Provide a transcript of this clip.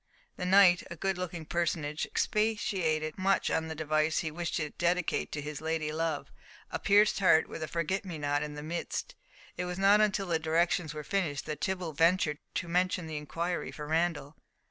The knight, a good looking personage, expatiated much on the device he wished to dedicate to his lady love, a pierced heart with a forget me not in the midst, and it was not until the directions were finished that Tibble ventured to mention the inquiry for Randall.